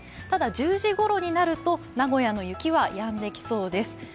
ただ、１０時ごろになると名古屋の雪はやんできそうです。